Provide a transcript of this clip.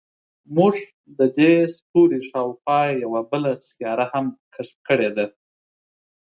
موږ د دې ستوري شاوخوا یوه بله سیاره هم کشف کړې ده.